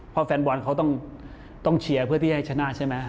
เพราะแฟนบอลเขาต้องเชียร์เพื่อที่จะให้ชนะใช่ไหม